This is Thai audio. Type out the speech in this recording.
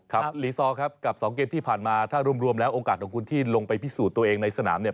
ลีซอร์ครับกับสองเกมที่ผ่านมาถ้ารวมแล้วโอกาสของคุณที่ลงไปพิสูจน์ตัวเองในสนามเนี่ย